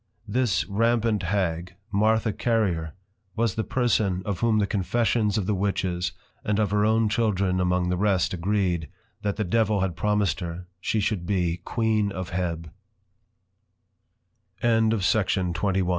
_ This Rampant Hag, Martha Carrier, was the person, of whom the Confessions of the Witches, and of her own Children among the rest, agreed, That the Devil had promised her, she should be _Queen of